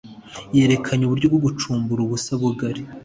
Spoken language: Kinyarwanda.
yerekanye uburyo bwo gucukumbura ubusa bugari